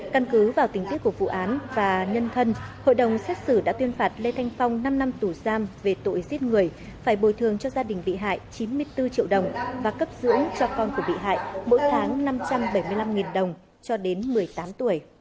căn cứ vào tình tiết của vụ án và nhân thân hội đồng xét xử đã tuyên phạt lê thanh phong năm năm tù giam về tội giết người phải bồi thường cho gia đình bị hại chín mươi bốn triệu đồng và cấp dưỡng cho con của bị hại mỗi tháng năm trăm bảy mươi năm đồng cho đến một mươi tám tuổi